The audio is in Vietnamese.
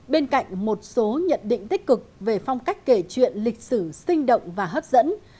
bên cạnh một số nhận định tích cực về phong cách kể chuyện lịch sử sinh động và hấp dẫn